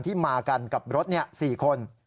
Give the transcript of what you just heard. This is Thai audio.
ที่มากันกับรถนี่๔คน